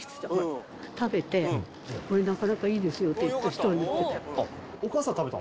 食べて、これ、なかなかいいですよって人に言ってた。